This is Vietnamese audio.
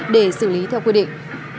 để xử lý theo quy định